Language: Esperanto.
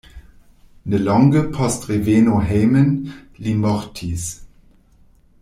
Nelonge post reveno hejmen li mortis.